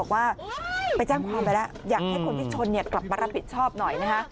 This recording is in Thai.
บอกว่าไปแจ้งความไปแล้วอยากให้คนที่ชนกลับมารับผิดชอบหน่อยนะฮะ